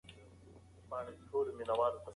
سختۍ مې په پوره مېړانه او له وېرې پرته وزغملې.